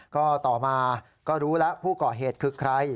ก็ต่อมาก็รู้แล้วผู้ก่อเหตุคือใคร